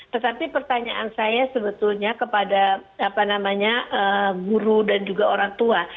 tetapi pertanyaan saya sebetulnya kepada guru dan juga orang tua